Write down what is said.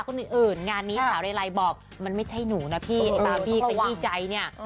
เหมือนงานนี้ขาวได้ไล่บอกมันไม่ใช่หนูนะพี่พี่ใจเนี่ย